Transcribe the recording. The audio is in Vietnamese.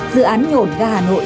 dự án nhổn ra hà nội